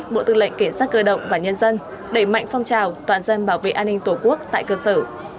bộ tư lệnh cảnh sát cơ động và nhân dân đẩy mạnh phong trào toàn dân bảo vệ an ninh tổ quốc tại cơ sở